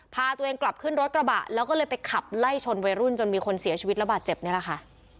พาตัวเองกลับขึ้นรถกระบะแล้วก็เลยไปขับไล่ชนวัยรุ่นจนมีคนเสียชีวิตระบาดเจ็บนี่แหละค่ะ